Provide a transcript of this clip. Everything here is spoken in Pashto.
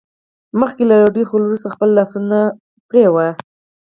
مخکې له ډوډۍ خوړلو څخه خپل لاسونه پرېمینځئ